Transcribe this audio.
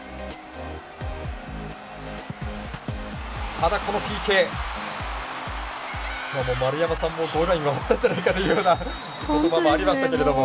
ただ、このＰＫ丸山さんもゴールラインを割ったんじゃないかという言葉がありましたけども。